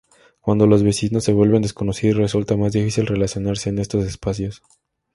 Cuando los vecinos se vuelven desconocidos resulta más difícil relacionarse en estos espacios.